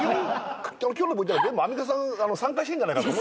今日のＶＴＲ全部アンミカさん参加してんじゃないかと。